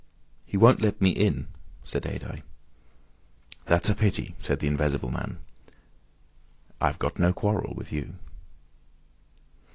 "He won't let me in," said Adye. "That's a pity," said the Invisible Man. "I've got no quarrel with you."